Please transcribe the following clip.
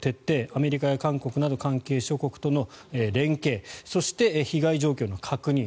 アメリカや韓国など関係諸国との連携そして、被害状況の確認